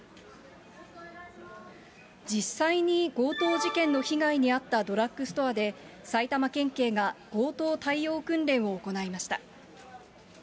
実際に強盗事件の被害に遭ったドラッグストアで、埼玉県警が強盗対応訓練を行いました。